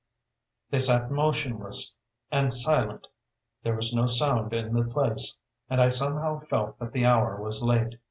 They sat motionless and silent: there was no sound in the place; and I somehow felt that the hour was late.